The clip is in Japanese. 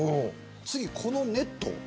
次、このネット。